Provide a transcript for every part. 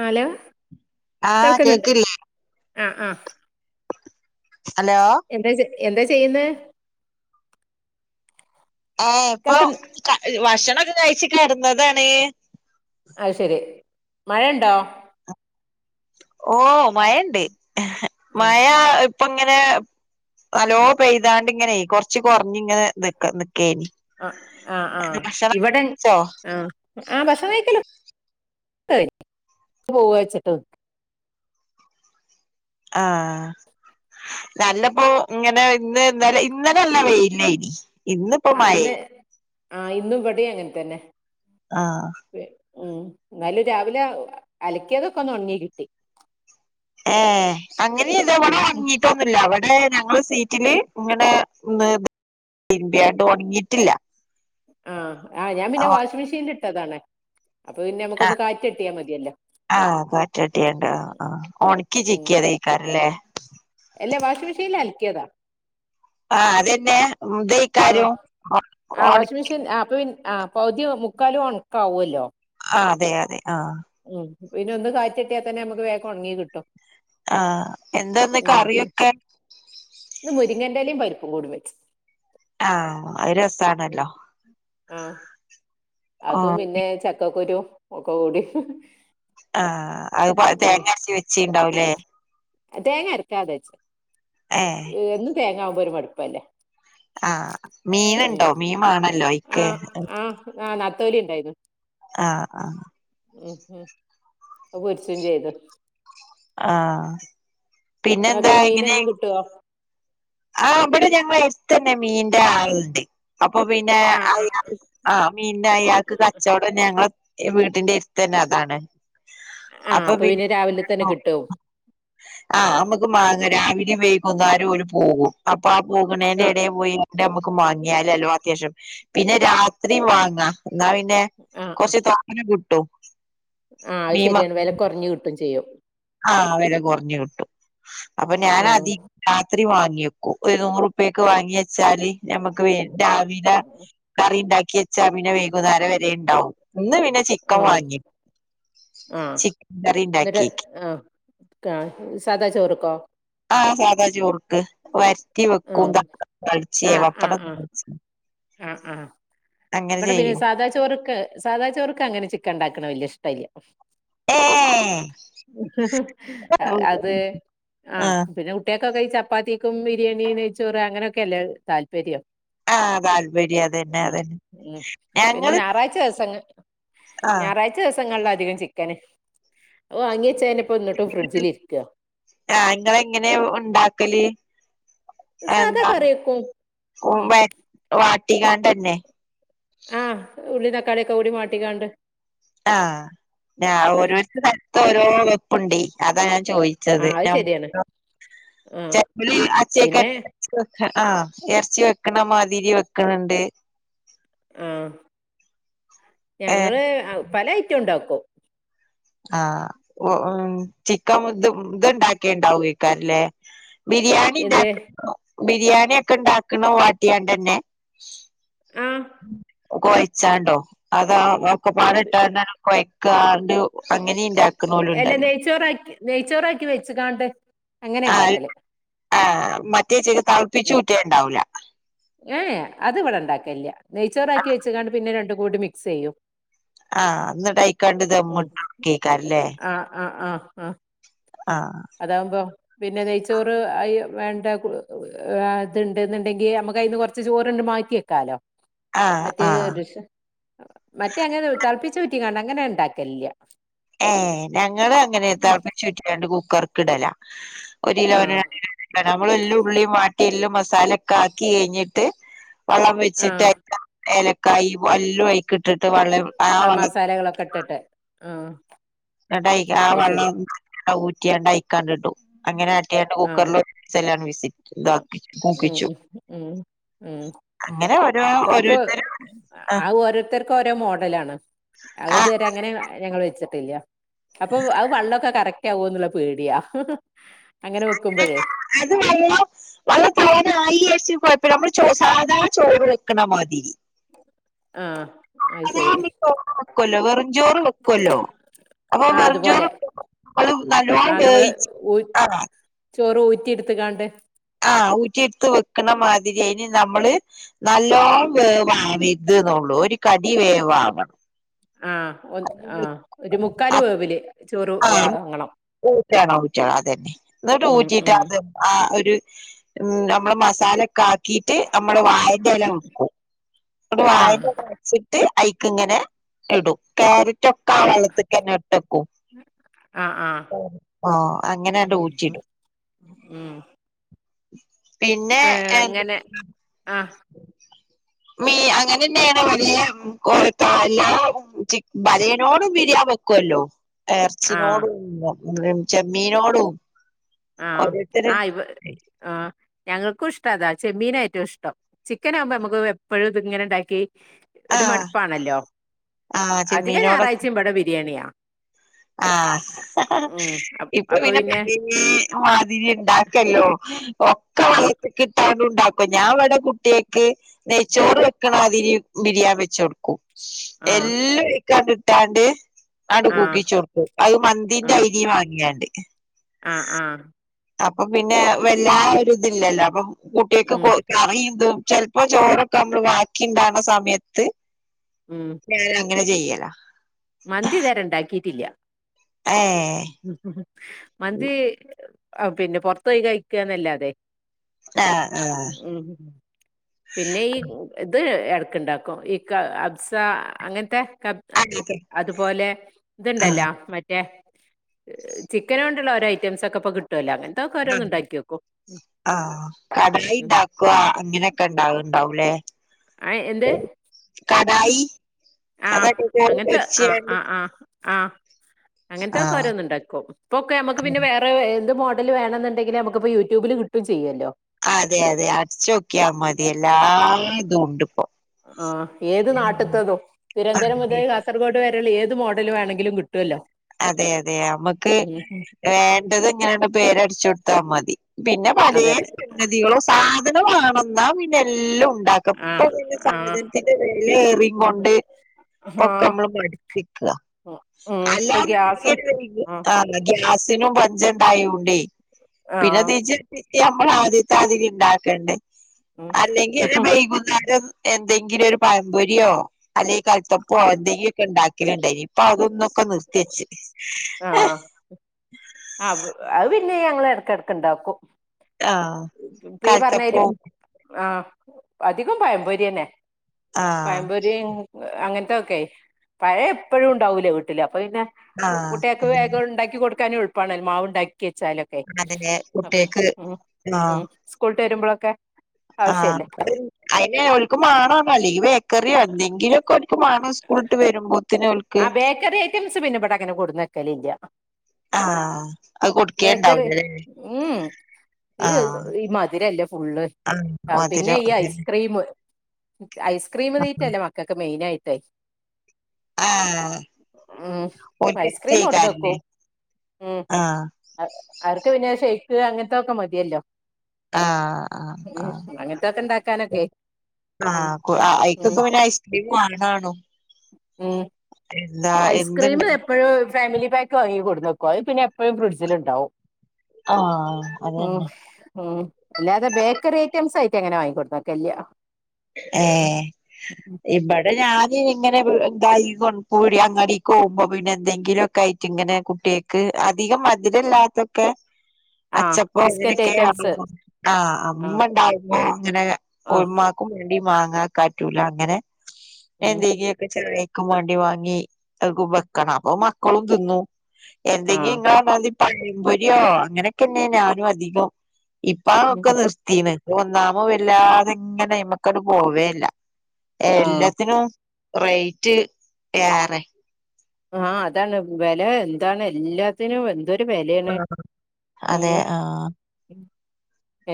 ആ അലോ ആഹ് കേൾക്ക്ണണ്ട് കേക്കില്ലേ ആഹ് ആഹ് ഹലോ എന്താ ചെ എന്താ ചെയ്യുന്നേ ആഹ് ഇപ്പൊ കേൾക്കുന്നു ക ഇ ഭക്ഷണം ഒക്കെ കഴിച്ച് കെടന്നതാണ് അത്ശരി മഴ ഒണ്ടോ ഓഹ് മയണ്ട് ആ മയാ ഇ ഇപ്പൊ ഇങ്ങനേ തലോ പെയ്താണ്ട് ഇങ്ങനേ കൊറച്ച് കൊറഞ്ഞ് ഇങ്ങനെ നിക്ക നിക്കേനി അഹ് ആഹ് ആഹ് ഭക്ഷണൊക്കെ ഇവടെൻ കഴിച്ചോ ആഹ് ആഹ് ഭക്ഷണം കഴിക്കല് [inaudible] പോവച്ചിട്ട് ആഹ് നല്ല പ്പോ ഇങ്ങനെ ഇന്ന് ഇന്നലെ ഇന്നലെല്ല വെയില് ഇന്നിപ്പോ മയേം ആഹ് ഇന്ന് ഇവിടെയും അങ്ങനെ തന്നെ ആഹ് ഉം ന്നാലും രാവിലെ അലക്കിയതൊക്കെ ഒന്ന് ഒണങ്ങി കിട്ടി ഏയ് അങ്ങനെ ഇതവടെ [unintelligible] ഉം. ന്നുല്ല അവടേ ഞങ്ങള് സീറ്റില് ഇങ്ങനെ [unintelligible] തിരു മ്പ്യാ യിട്ട് ണങ്ങീട്ടില്ല ആഹ് ആഹ് ഞാൻ പിന്നെ വാഷിങ്‌ മെഷീനിൽ ഇട്ടതാണെ അപ്പൊ പിന്നെ നമുക്കൊന്ന് കാറ്റ് കിട്ടിയാ മതിയല്ലോ ആഹ് കാറ്റ് തട്ടി യതുണ്ടോ ആ ഒണക്കി ചിക്കിയ തെ ക്കാരം ല്ലേ എല്ലാ വാഷിംഗ് മിഷീൽ അലക്കിയതാ ആ അതെന്നേ മ് ദേ ക്കാരം ഒ ഓൻ ആപ്പൊ പിൻ ആഹ് പകുതി മുക്കാലും ഒണക്കാവല്ലോ ആ അതെ അതെ ആഹ് ഉം പിന്നെ ഒന്ന് കാറ്റ് കിട്ടിയാ തന്നെ നമുക്ക് വേഗം ഒണങ്ങി കിട്ടും ആഹ് എന്താ ഇന്ന് ഉം കറിയൊക്കെ ഇന്ന് മുരിങ്ങേന്റെലേം പരിപ്പും കൂടി വെച്ച് ആഹ് അത് രസാണല്ലോ ആഹ് അതും ഓഹ് പിന്നെ ചക്കക്കുരു ഒക്കെ കൂടി ആഹ് അത്പ ഉം തേങ്ങ അരച്ചി വെച്ചിണ്ടാവൂലേ തേങ്ങ അരക്കാതെച്ച് ഏ എന്നും തേങ്ങയാവുമ്പോ ഒരു മടുപ്പല്ലേ ആഹ് മീനു ഉം ഉണ്ടോ മീമാണല്ലോ അ യ് ക്ക് ആഹ് നത്തോലി ഇണ്ടായിന്നു ആഹ് ആഹ് ഉം ഉം [unintelligible] എക്സ്ചേഞ്ച് ചെയ്ത് ആഹ് നിങ്ങൾക്ക് പിന്നെന്താ ഇങ്ങനെ [unintelligible] ആഹ് ഇബട ഞങ്ങ എടുത്ത് തന്നെ മീന്റെ ആളുണ്ട് അപ്പൊ പിന്നേ ആ ആ [unintelligible] ആഹ് മീന്നെ അയാൾക്ക് കച്ചവടം ഞങ്ങള് ഈ വീട്ടിന്റെ എര് ത്ത് ന്നെ അതാണ് ആ അപ്പൊ പിന്ന് പിന്നെ രാവിലെ തന്നെ കിട്ടും ആഹ് ആ ആഹ് നമ്മ മാങ്ങ രാവിലെയും വേയ്കുംന്നേര ഓര് പോകും അപ്പൊ ആ ആ പോകണേന്റെ എടേ പോയി ഞമ്മക്ക് മാങ്ങിയാലല്ലോ അത്യാശ്യം പിന്നെ രാത്രി വാങ്ങാ. ന്നാ പിന്നെ ആ കൊച്തോനെ കിട്ടും ആഹ് അത് ശരിയാണ് വെല കൊർ ഞ്ഞ് കിട്ടും ചെയ്യും ആഹ് വെല കുറഞ്ഞ് കിട്ടും അപ്പൊ ഞാൻ ആഹ് അധി രാത്രി വാങ്ങിയേക്കും ഒരു നൂറുപ്പിയെ ക്ക് വാങ്ങിയ ച്ചാല് നമക്ക് വേ രാവിലെ കറി ഇണ്ടാക്കി ച്ചാ പിന്നെ വേകുന്നാര വെരെ ഇണ്ടാവും ഇന്ന് പിന്നെ ചി ക്കം ആഹ് വാങ്ങി ആഹ് ചി കറി ഇണ്ടാക്കി ക്കാ സാദാ ചോറ്ക്കോ ആഹ് സാദാ ചോറ് വരറ്റി വെക്കും ആഹ് തളിച്ചേ ആഹ് ആഹ് വപ്പടം ആഹ് ആഹ് ആഹ് ഇവിടെ പിന്നെ ചെയ്യും സാധാ ചോറക്ക് - സാദാ ചോർക്ക് അങ്ങനെ ചിക്ക ണ്ടാക്കണ വല്ല്യ ഇഷ്ടല്ല. ഏഹ് അത് ആ ആഹ് പിന്നെ- കുട്ടിയാക്കൊക്കെ ഈ ചപ്പാത്തിക്കും ബിരിയാണി നെയ്ച്ചോറ് അങ്ങനൊക്കെയല്ലേ താല്പര്യം. ആഹ് താല്പര്യം അതന്നെ മ് അതന്നെ മ് പിന്നെ ഞങ്ങള് ഞായറാഴ്ച ദസങ്ങ- ആഹ് ഞായറാഴ്ച ദിവസങ്ങളിലധികം ചിക്കന് വാങ്ങിയച്ച അനിപ്പോ ന്നട്ടും ഫ്രിഡ്ജിലിരിക്ക ആ ങ്ങളെങ്ങനെ ഉണ്ടാക്കല്? അ സാധാ എന്താ കറി വെക്കും ഉം വ വാട്ടിക്കാണ്ടെന്നെ. ആഹ് ഉള്ളി തക്കാളിയൊക്കെ കൂടി വാട്ടിക്കാണ്ട്. ആഹ് ഞ ഉം ഓരോരുത്ത കലത്ത ഓരോ വെപ്പുണ്ട- അതാ ഞാൻ ആ ചോയിച്ചത് അത് ഞ ശരിയാണ്. ആ ചേലോല് അചെക്ക പിന്നെ ഇച്ച വെക്ക ആ ഇറച്ചി വെക്കണ മാതിരി വെക്കണണ്ട്. ആ ഏഹ് ഞങ്ങള് അഹ് പല ഐറ്റം ണ്ടാക്കും ആഹ് ഉ ചിക്കൻ ഇത് ഇണ്ടാക്കിണ്ടാവക്കാരല്ലേ? ബിരിയാണി എന്ത് ണ്ടാക്ക ബിരിയാണി ഒക്കെ ഉണ്ടാക്കണ വാട്ടിയാണ്ട ന്നെ. ആഹ് കോയച്ചാണ്ടോ അതാ ഒക്കെ [unintelligible] കൊഴക്കാണ്ട് അങ്ങനെ ണ്ടാക്ക എല്ല നെയ്ച്ചോറാക്കി നെയ്ച്ചോറാക്കി വെച്ചക്കാണ്ട് അങ്ങനെ ണ്ടാക്കല്. ആ മറ്റേ [unintelligible] തളപ്പിച്ചൂറ്റ ഉണ്ടാവില്ല ഏഹ് അത് ഇവിടെ ണ്ടാക്കല്ല നെയ്ച്ചോറാക്കി വെച്ച കാണ്ട് പിന്നെ രണ്ടും കൂടി മിക്സ് ചെയ്യും. ആഹ് എന്നന്നിട്ടൈക്കാണ്ട് ഉം ദമ്മിട്ട് [unintelligible] ആ ആഹ് അതാവുമ്പം പിന്നെ നെയ്ച്ചോറ് അയ് വേണ്ട കുറ് ആഹ് ഇതുന്നുണ്ടെങ്കി നമ്മുക്ക് അയിന്ന് കൊറച്ച് ചോറ്ണ്ട് മാ റ്റിക്കാലോ ആഹ് മറ്റേ ആഹ് [unintelligible] മറ്റേ അങ്ങനെ തളപ്പിച്ചൂറ്റി കണ്ട ങ്ങനെ ഉണ്ടാക്കലില്യ. ഏഹ്, ഞങ്ങളുങ്ങനെ തിളപ്പിച്ചൂറ്റി രണ്ടു കുക്കർക്കിടല ഒരു ആ കിലോന രണ്ട്കിലോ നമ്മളെല്ലുള്ളിയും വാട്ടിഎല്ലാം മസാല ഒക്കെ ആക്കി എയ്ഞ്ഞിട്ട്, വള്ളം വെച്ചിട്ട് ആഹ് എല്ലാം ഏലക്കായ വല്ലും ആയ്ക്കിട്ടിട്ട് വള്ള ആഹ് മസാലകളൊക്കെ ഇട്ടിട്ട് ആഹ് എന്നിട്ടീ ആ അത് ശരി വെള്ളം ഊറ്റിയാ ണ്ട്യ്ക്കാണ്ടണ്ട്- അങ്ങനെ ആട്ടിയട്ട് ആഹ് കുക്കറിൽ [unintelligible] വിസി- ഇതാക്കി ഉം ഇതാക്കിച്ചു ഉം ഉം ഉം അങ്ങനെ ഓരോ ഓരോരുത്തര ആഹ് ഓരോരുത്തർക്ക് ഓരോ മോഡലാണ്. അത് ആഹ് ഇതുവരെ അങ്ങനെ ഞങ്ങൾ വെച്ചിട്ടില്ല അപ്പൊ അത് വള്ളൊക്കെ കറക് ക എന്നുള്ള പേടിയാ അങ്ങനെ വെക്കുമ്പോഴേ അങ്ങനെ അത് വള്ളം വള്ള [unintelligible] പോയപ്പോ നമ്മള് ച സാധാ ചോറ് വെക്കണ മാതിരി. ആഹ് അത് ശരി [unintelligible] ചോറ് വെക്കല്ലോ വെറും ചോറ് വെക്കുമല്ലോ. അപ്പൊ ആഹ് വെറഞ്ചോറ് അതുപോലെ [unintelligible] നമ്മള് നല്ലോണം ആഹ് നമ്മള് വേവിച്ച് ഊ [unintelligible] ചോറ് ഊറ്റി എടുത്ത്ക്കാണ്ടേ. ആഹ് ഊറ്റിെടുത്ത് വെക്കണ മാതിരി അയിന് നമ്മള്, നല്ലോ വേവാ [unintelligible] ഒരു കടി വേവാവണം. ആഹ് ഒന്ന് ആഹ് ഒരു മുക്കാല് വേവില് ചോറ് വാങ്ങണം ഊറ്റണം ഊറ്റണം അതന്നെ എന്നിട്ട് ഉം ഊറ്റീട്ടാ ഉം അ ആഹ് ഒരു ഉ നമ്മള് മസാല ഒക്കെ ആക്കീട്ട് നമ്മള വായന്റല വക്കും നമ്മള ആഹ് വായന്റെ ച്ചിട്ട് അയ്ക്ക് ഇങ്ങനെ ഇടും ക്യാരറ്റൊക്കെ ആ വള്ളത്തിക്കന്നെ ഇട്ടക്കും ആഹ് ആഹ് ആഹ് അങ്ങനാണ്ട് ഉം ഉം. ഊററിടും ആഹ് എന്ത് അങ്ങനെ ആഹ് മീൻ അങ്ങനെ തന്നെയാണ് വലിയ [unintelligible] ബിരിയാ ക്കല്ലോ ആഹ് ഇർച്ചിനോടും ചെമ്മീനോടും ആഹ് ഓരോരുത്തര് ആഹ് ഇവ ആഹ് ഞങ്ങൾക്കും ഇഷ്ട അതാ ചെമ്മീന ഏറ്റവും ഇഷ്ടം ചിക്കൻ ആകുമ്പോ നമുക്ക് എപ്പഴും ഇത് ഇങ്ങനെ ഉണ്ടാക്കി ഒരു ആഹ് മടുപ്പാണല്ലോ ആഹ് അധിക ചെമ്മീനോടൊ ഞായറാഴ്ചയും ഇബടെ ബിരിയാണിയാ. ആഹ് ഉം അപ് ഇപ്പൊ അപ്പൊ പിന്നെ [unintelligible] ഈ മാതിരി ഉണ്ടാക്കല്ലോ ഒക്കെ ആഹ് [unintelligible] കിട്ടാണ്ട് ഉണ്ടാക്കും ഞാൻ അവിടെ കുട്ടിയക്ക് നെയ്ച്ചോറ് വെക്കണ ആതിരി ബിരിയാ വെച്ചു കൊടുക്കും ആഹ് എല്ലാം [unintelligible] കിട്ടാണ്ട് ആണ്ട് ആഹ് കുൂക്കിച്ചുടുത്തു അത് മന്തീന്റെ ആയി ഈ വാങ്ങിയാണ്ട് ആ ആഹ് അപ്പൊ പിന്നെ വല്ലാതെ ഒര് ഇതില്ലല്ലോ അപ്പൊ കുട്ടിയെക്ക് ഉം കൊ ചൊറിയിതും [unintelligible] അപ്പൊ ചോറൊക്കെ നമ്മള് വാക്കിണ്ടക്ണ സമയത്ത്. ഉം. ഞാനങ്ങനെ ചെയ്യല. മന്തിതരെ ഉണ്ടാക്കിയിട്ടില്ല. ഏ. മന്തി, അ പിന്നെ പുറത്തൊയി കഴിക്കന്നല്ലാതെ ആഹ് ആഹ് പിന്നെയീ ഇത് എടക്കുണ്ടാക്കും ഈ കബ്സ അങ്ങനത്തെ അത് അതുപോലെ ഇതുണ്ടല്ലോ മറ്റേ. ചിക്കൻ കൊണ്ടുള്ള ഓരോ ഐറ്റമ്സ് ഒക്കെപ്പൊ കിട്ടും ട്ടുലോ, അങ്ങനത്തെക്കെ ആഹ് ഓരോന്ന് ഉണ്ടാക്കി നോക്കും. ആഹ് കടായി ഉണ്ടാക്കുക അങ്ങനെയൊക്കെ ഇണ്ടാവ്ണ്ടാവൂലേ. ആ എന്ത്? ആഹ്, അതൊക്കെ കറി അങ്ങനത്തെ ആഹ്, പൊരിച്ചാണ്ട് ആഹ്, ആഹ്, ആഹ് അങ്ങനത്തെക്കെ ആഹ് ഓരോന്ന് ഉണ്ടാക്കും, ഇപ്പൊക്കെ നമുക്ക് പിന്നെ വേറെ എന്ത് മോഡൽ വേണെന്നുണ്ടെങ്കിൽ നമക്ക്കിപ്പ യൂട്യൂബില് കിട്ടും ചെയ്യല്ലോ. അതെ അതെ അട്ച്ചൊക്കിയ മതി എല്ലാ ഇതും ഉണ്ട് ഇപ്പോ. ആഹ് ഏത് നാട്ടത്തതും തിരുവനന്തപരം മുതൽ കാസർഗോഡ് വരെയുള്ള ഏത് മോഡൽ വേണമെങ്കിലും കിട്ടുമല്ലോ അതെ, അതെ നമ്മുക്ക് ഉം വേണ്ടത് ഇങ്ങനെയാണ്ട് പേരടിച്ചു കൊടുത്താ മതി. പിന്നെ പല അതന്നെ സംഗതികളു സാധനം വേണം, ന്നാ പിന്നെല്ലാം ഉണ്ട ക്കും, ആ പ്പെ പിന്നെ ആ സാധനത്തിന്റെ വിലെറി കൊണ്ട് ആ ഇപ്പൊക്കെ നമ്മള് പിടിച്ചിക്ക ഉം ഉം പ്പ ആ ഗ്യാസിനും പഞ്ച ഉണ്ടായണ്ടേ പിന്നെ ആഹ് തീജ്ജ് നമ്മള ആദ്യത്തെ മാതിരി ഉണ്ടാക്കണ്ടേ, ഉം അല്ലെങ്കിൽ ഉം വൈകുന്നേരം ഒന്ന് എന്തെങ്കിലും ഒരു പഴമ്പൊരിയോ അല്ലെങ്കിൽ കൽത്തപ്പോ എന്തെങ്കിലുമൊക്കെ ഉണ്ടാക്കലുണ്ടായിനി. അപ്പൊ അതൊന്നൊക്കെ നിർത്തിച്ച് ആഹ്, അ, അത് പിന്നെ ഞങ്ങള് എടയ്ക്കെടക്ക് ഇണ്ടാക്കും. ആഹ് ഇപ്പ ഈ പറഞ്ഞമാതിരി. കൽത്തപ്പോ ആ അധികം പഴംപോരി അന്നേ ആഹ് പഴംപൊരി അങ്ങനത്തൊയ്ക്കെ പഴം എപ്പഴും ഉണ്ടാവൂലെ വീട്ടില് അപ്പൊ പിന്നെ ആഹ് കുട്ടികൾക്ക് വേഗം ഇണ്ടാക്കി കൊടുക്കാനും എളുപ്പാണല്ലോ, മാവ് ഇണ്ടാക്കി വെച്ചാല് അതെതെ, കുട്ടിയേൾക്ക് ആ സ്കൂൾ വിട്ടുവരുമ്പോളൊക്കെ. ആഹ്, അയിന് ഓൽക്ക് മാണ ആ കളി, അല്ലെങ്കിൽ ബേക്കറിയോ എന്തെങ്കിലൊക്കെ [unintelligible] സ്കൂളിട്ട് വരുമ്പോ. ആ ബേക്കറി ഐറ്റംസ് പിന്നെ ഇവടെ അങ്ങനെ കൊടുന്ന് വെക്കലില്ല. ആഹ് അത് ബേക്കറി കൊടുക്കേണ്ടാവൂലല്ലേ ഉം. ആഹ് ഈ മധുരല്ലേ ഫുള്ള്, ആഹ് ആ പിന്നെ മധുരം ഈ അതന്നെ ഐസ്ക്രീമ് ഐസ്ക്രീമ് തീറ്റല്ലേ മക്കൾക്ക് മെയിനായിട്ട്. ആഹ് ഉം ഓൽക്ക് ഐസ്ക്രീം കൊടുന്നക്കും [unintelligible] ഉം ആ അവർക്ക് പിന്നെ ഷെയ്ക്ക് അങ്ങനത്തൊക്കെ മതിയല്ലോ? ആഹ് ആഹ് ഉം, അങ്ങനത്തൊക്കെ ഇണ്ടാക്കാനൊക്കെ ആ ഐകൊക്കെ ഇപ്പ പിന്നെ ഐസ്ക്രീമ് വാങ്ങണാനും. ഉം. ഐസ്ക്രീമ് എപ്പഴും ഫാമിലി പാക്ക് വാങ്ങി കൊടുന്നെക്കും, അത് പിന്നെ എപ്പഴും ഫ്രിഡ്ജില് ഇണ്ടാവും ആഹ് അതന്നെ ഓഹ് ഉം അല്ലാതെ ബേക്കറി ഐറ്റംസ് ആയിട്ടങ്ങനെ വാങ്ങി കൊട്ക്കാൻ നിക്കലില്ല. ഏഹ്? ഇബടെ ഞാന് ഇങ്ങനെ ഇതായി പീട്യ അങ്ങാടിക്ക് പോവുമ്പോ പിന്നെ എന്തെങ്കിലൊക്കെ ആയി ട്ടിങ്ങനെ കുട്ട്യേക്ക് അധികം മധ്രല്ലാത്തൊക്കെ ആ അച്ചപ്പോ ബിസ്ക്കറ്റ് ഇങ്ങനൊക്കെ ഐറ്റംസ് [unintelligible] ആഹ് ആ അമ്മ ഇണ്ടാവുമ്പോ ഇങ്ങനെ ആ [unintelligible] ണ്ടി മാങ്ങ കാറ്റൂല അങ്ങനെ. ഉം എന്തേങ്കി ഒക്കെ ചെറിയ ക്കും വേണ്ടി വാങ്ങി അത് വെക്കണം. അപ്പൊ മക്കളും തിന്നു. ആ എന്തെങ്കിലും ഇങ്ങളെ മാതി പഴംപൊരിയോ അങ്ങനെയൊക്കെന്നെ ഞാനു അധികം. ഉം ഇപ്പതൊക്കെ നിർ ത്തീന്ന്. ഒന്നാമെ വല്ലാതിങ്ങനെ അയ്മക്കട് പോവേ ഇല്ല. ആ എല്ലത്തിനും റേറ്റ് ഏറെ ആ അതാണ്. വെല എന്താണ് എല്ലാത്തിനും എന്തൊ ട്ട് വെലയാണ്. ആഹ് ഉം അതെ ആഹ്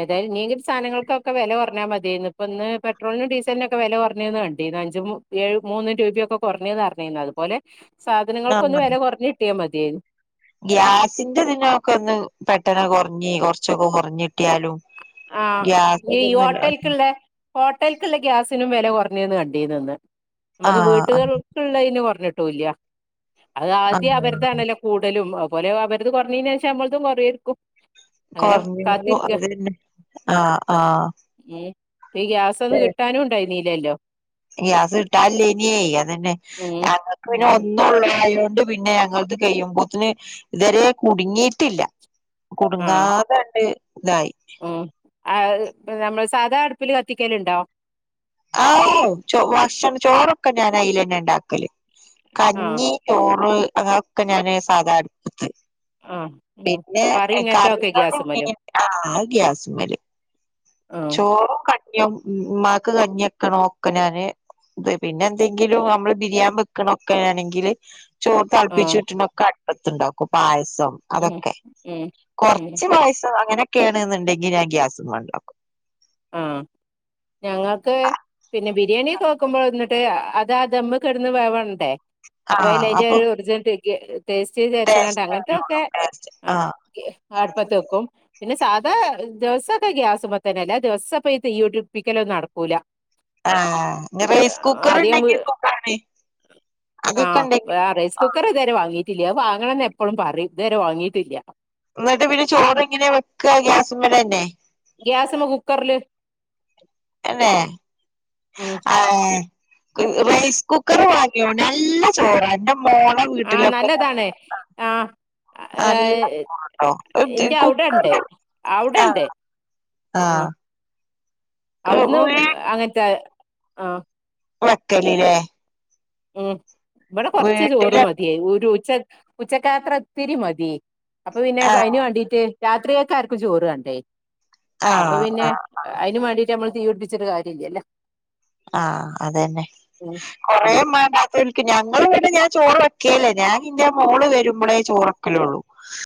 ഏതായാലും ഇനിയെങ്കിലും സാധനങ്ങൾക്കൊക്കെ വെല കൊറഞ്ഞാ മത്യാർന്നു. ഇപ്പ ഇന്ന് പെട്രോളിനും ഡീസലിനും ഒക്കെ വെല കൊറഞ്ഞൂന്ന് കണ്ട് ണ്ടീന്നു. അഞ്ചും ഏഴും മൂന്നും രൂപയൊക്കെ കൊറഞ്ഞൂന്നറിഞ്ഞീർന്നു. അതുപോലെ ആഹ് സാധനങ്ങൾക്കൊന്ന് വെല കൊറഞ്ഞ് കിട്ടിയാ മത്യേർന്നു. ഗ്യാസിന്റെ ഇതിനൊക്കെ ഒന്ന് പെട്ടെന്ന് കൊറഞ്ഞ് കൊറച്ചൊക്കെ കൊറഞ്ഞിട്ടിയാലും ആ ഈ ഹോട്ടൽക്കിള്ള ഹോട്ടൽക്ക്ള്ള ഗ്യാസിനും വെല കൊറഞ്ഞീന്ന് കണ്ടീനിന്ന്. ഇമ്മക്ക് ആഹ് വീട്ടുകൾ ആഹ് ള്ളയ്ന് കൊറഞ്ഞിട്ടൂല്ല. അതാദ്യം ആഹ് അവരതാണല്ലോ കൂടലും. അതുപോലെ അവരത് കൊറഞ്ഞേയ്ന് ശേഷം നമ്മളതും കൊറയേരിക്കും. കൊറഞ്ഞൂന്ന്. അതന്നെ. ആഹ് ആഹ്. ഉം ഇപ്പ ഈ ഗ്യാസൊന്നു കിട്ടാനും ഇണ്ടായ്ര്ന്നീല്ലല്ലോ? ഗ്യാസിട്ടാനില്ലേനിയേ അതന്നെ. ഉം ഞങ്ങക്ക് പിന്നെ ഉം ഒന്ന് ന്നുള്ളായോണ്ട് പിന്നെ ഞങ്ങളത് കയ്യുമ്പോത്തിന് ഇതുവരെ കുടുങ്ങീട്ടില്ല. ആഹ് കുടുങ്ങാതണ്ട് ഇതായി. ഉം. നമ്മള് സാധാ അടുപ്പില് കത്തിക്കല്ണ്ടോ? ആ ഭക്ഷണം ചോറൊക്കെ ഞാനയിലന്നെ ഇണ്ടാക്കല്. ആഹ് കഞ്ഞി ചോറ് അങ്ങനെ ഒക്കെ ഞാന് സാധാ അടുപ്പത്ത് ആഹ് ഉം പിന്നെ കറി ഇങ്ങനത്തൊക്കെ കറികളും ഗ്യാസുമ്മലും മീനും ആഹ് അത് ഗ്യാസ്മ്മല്. ആഹ് ചോറും കഞ്ഞിയും ഉമ്മാക്ക് കഞ്ഞിയൊക്കണം. ഒക്കെ ഞാന് അതെ. പിന്നെന്തെങ്കിലും നമ്മള് ബിരിയാൻ വെക്കണൊക്കെ ആണെങ്കില് ചോറ് ആഹ് തെളപ്പിച്ചൂറ്റണ ഒക്കെ അട്പ്പത്ത്ണ്ടാക്കും. പായസം ഉം അതൊക്കെ. ഉം ഉം കൊറച്ച് പായസം അങ്ങനൊക്കെയാണ്ന്ന്ണ്ടെങ്കി ഞാൻ ഗ്യാസ്മ്മെ ഇണ്ടാക്കും. ആഹ് ഞങ്ങക്ക് പിന്നെ ബിരിയാണിയൊക്കെ വെക്കുമ്പോ എന്നിട്ട് അതാ ദമ്മൊക്കെ ഇട്ന്നെ വേവണ്ടേ. അപ്പൊ അല്ലേ അയ്ന്റെ ഒരു ഒറിജിനൽ ടേസ്റ്റ് വിചാരിച്ച്ങ്ങാണ്ട ടേസ്റ്റ് വരുള്ളൂ അങ്ങനത്തെയൊക്കെ ടേസ്റ്റ് ആഹ് അടുപ്പത്ത് വെക്കും. പിന്നെ സാധാ ദിവസൊക്കെ ഗ്യാസ്മ്മത്തന്നെ അല്ല ദിവസ്സൊ ഇപ്പ ഈ തീ ഇടിപ്പിക്കലൊന്നും നടക്കൂല ആഹ് റൈസ് കുക്കർ ആദ്യം വീ ഉണ്ടെങ്കിൽ സുഖാണ് അതൊക്കെ ആഹ് ഉണ്ടെങ്കിൽ വേറ കുക്കറിതുവരെ വാങ്ങിയിട്ടില്ല. അത് വാങ്ങണന്ന് എപ്പഴും പറയും. ഇതുവരെ വാങ്ങിയിട്ടില്ല. എന്നിട്ട് പിന്നെ ചോറ് എങ്ങനെയാ വെക്ക്വാ? ഗ്യാസ്മ്മലന്നെ? ഗ്യാസ്മ്മ കുക്കറില്. തന്നേ? ഉം ഏഹ്. റൈസ് കുക്കറ് വാങ്ങിയോ? നല്ല ചോറാ എന്റെ മോളെ ആഹ് നല്ലതാണ് ആഹ് നല്ലതാട്ടോ. എന്റെ അവിടെ ഉണ്ട് കുക്കറിന്റെ ആഹ് അവിടെണ്ട് ആഹ് അവ്ട്ന്നും അങ്ങൻത്തെ ആഹ് [unintelligible] ഉം. ഇബടെ കൊർച്ച് ചോറ് വീട്ടില് മത്യേ, ഒരു ഉച്ച ഉച്ചക്കാത്ര ഇത്തിരി മതി. അപ്പൊ പിന്നെ, ആ കയ്ന് വാണ്ടീട്ട്, രാത്രിക്കെക്കാർക്കും ചോറാണ്ടേ. ആ അപ്പൊ പിന്നെ ആ അയ്നും വാണ്ടീട്ട് നമ്മള് തീ പിട്പ്പിച്ച്ട്ട് കാര്യല്ല്യല്ലോ. ആഹ് അതന്നെ. ഉം കൊറേ ഉം മാ [unintelligible] ക്ക് ഞങ്ങള്വ്ടെ ഞാൻ ചോറ് വെക്കലില്ല, ഞാന് ന്റെ മോള് വരുമ്പളേ ചോറ് വെക്കലുള്ളൂ.